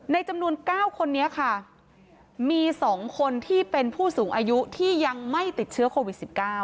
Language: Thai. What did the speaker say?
ในจำนวน๙คนมี๒คนเป็นผู้สูงอายุที่ยังไม่ติดเชื้อโควิด๑๙